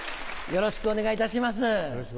よろしくお願いします。